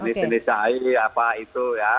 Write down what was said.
jenis jenis cahi apa itu ya